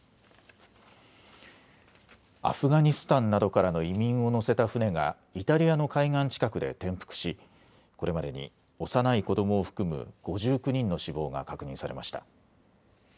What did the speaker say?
アフガニスタンなどからの移民を乗せた船がイタリアの海岸近くで転覆し、これまでに幼い子どもを含む５９人の死亡が確認されました。